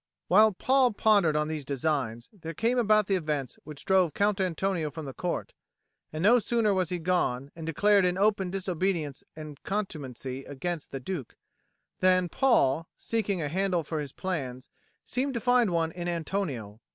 While Paul pondered on these designs, there came about the events which drove Count Antonio from the Court; and no sooner was he gone and declared in open disobedience and contumacy against the Duke, than Paul, seeking a handle for his plans, seemed to find one in Antonio.